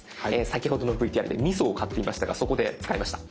先ほどのＶＴＲでみそを買っていましたがそこで使いました。